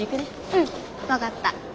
うん分かった。